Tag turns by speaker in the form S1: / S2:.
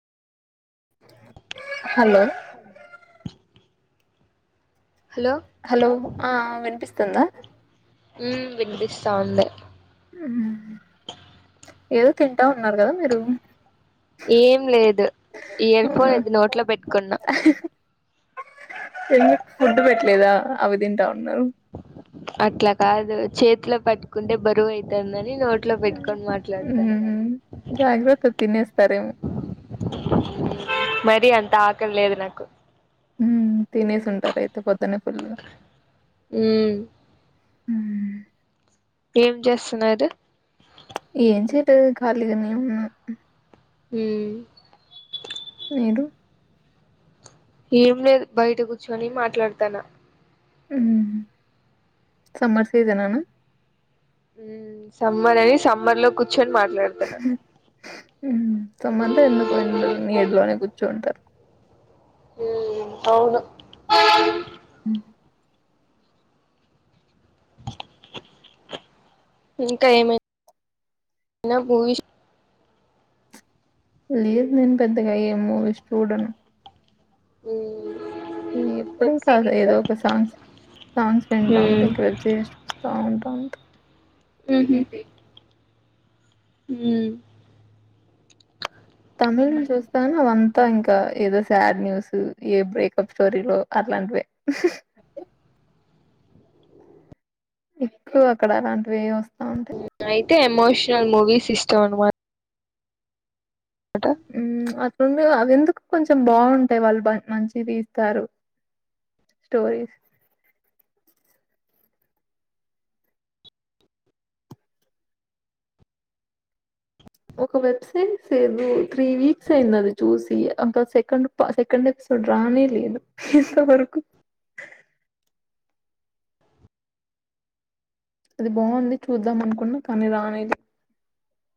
S1: hello hello
S2: hello ఆ వినిపిస్తుందా
S1: ఉ వినిపిస్తా ఉంది
S2: ఏదో తింటా ఉన్నారు కదా మీరు
S1: ఏం లేదు ఇయర్ ఫోన్
S2: అవునా
S1: ఇది నోట్ లో పెట్టుకున్న
S2: ఎందుకు ఫుడ్ పెట్టలేదా అవి తింటా ఉన్నారు
S1: అట్లా కాదు చేతిలో పట్టుకుంటే బరువు అయితంది అని న నోట్లో పెట్టుకొని మాట్లాడతున్న
S2: ఉమ్ జాగ్రత్త తినేస్తారేమో
S1: మరి అంత ఆకలి లేదు నాకు
S2: తినేసి ఉంటారు అయితే పొద్దునే ఫుల్గా
S1: ఉమ్
S2: ఉమ్,
S1: ఏం చేస్తున్నారు
S2: ఏం చేయట్ లేదు కాలి గా నే ఉన్న
S1: ఉం
S2: మీరు
S1: ఏం లేదు బయట కూర్చుని మాట్లాడతానా
S2: ఉమ్ సమ్మర్ సీజన్ అన
S1: ఉ సమ్మర్ అది సమ్మర్ లో కూర్చొని మాట్లాడుతన్నా
S2: సుమ్మర్లో ఎందుకుంటరు నీడులోనే కూర్చుంటారు
S1: హ్మ్ అవును
S2: ఉం
S1: ఇంకా ఏమైనా మూవీస్
S2: లేదు్ నేను పెద్దగా ఏ మూవీస్ చూడను
S1: ఉ
S2: ఎప్పుడం కాదు ఏదో ఒక సాంగ్స్ సాంగ్స్ వింటా
S1: ఉమ్
S2: ఉంటాయి ఇంకా వెబ్ సిరీస్ చూస్తా ఉంటా ఉంటా
S1: హ్మ్
S2: తమిళని చూస్తా అవంతా ఇంకా ఏదో శాడ్ న్యూస్ ఏ బ్రేకప్ స్టోరీలో అట్లాంటివిే ఎక్కువ అక్కడ అలాంటివిేవి వస్తా ఉంటాయి
S1: అయితే ఎమోషనల్ మూవీస్ ఇష్టం అనమాట
S2: ఉమ్ అత్ర అవి ఎందుకు కొంచెం బాగుంటాయి వాళ్ళు మంచి తీస్తారు స్టోరీస్ ఒక వెబ్సైరీస్ లేదు త్రీ వీక్స్ అయింది అది చూసి అం సెకండ్ సెకండ్ రానిి లేదు ఇంత వరకు అది బాగుంది చూద్దాం అనుకున్నా కానీ రానేది